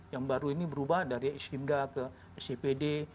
yang baru ini berubah dari isimda ke cpd